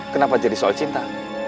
kenapa jadi soal cinta